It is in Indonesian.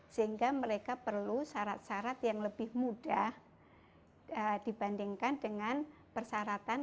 sehingga mereka perlu syarat syarat yang lebih mudah dibandingkan dengan persyaratan